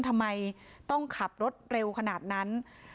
ทำไมต้องขับรถเร็วขนาดนั้น